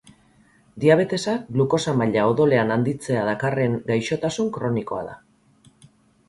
Diabetesa glukosa maila odolean handitzea dakarren gaixotasun kronikoa da.